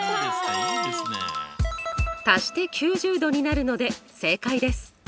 足して９０°になるので正解です。